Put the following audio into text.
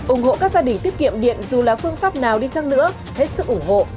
ủng hộ các gia đình tiết kiệm điện dù là phương pháp nào đi chăng nữa hết sức ủng hộ